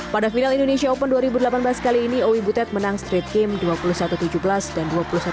pada final indonesia open dua ribu delapan belas kali ini owi butet menang street game dua puluh satu tujuh belas dan dua puluh satu dua belas